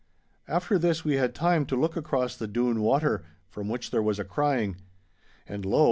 After this we had time to look across the Doon Water, from which there was a crying. And lo!